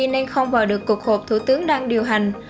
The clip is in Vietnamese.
nên không vào được cuộc họp thủ tướng đang điều hành